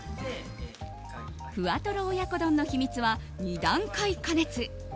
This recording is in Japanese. ふわトロ親子丼の秘密は２段階加熱。